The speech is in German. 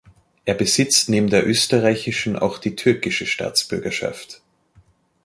Er besitzt neben der österreichischen auch die türkische Staatsbürgerschaft.